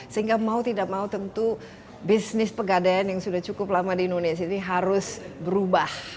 sehingga mau tidak mau tentu bisnis pegadaian yang sudah cukup lama di indonesia ini harus berubah